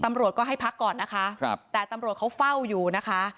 ตำรวจก็ให้พักก่อนนะคะครับแต่ตำรวจเขาเฝ้าอยู่นะคะ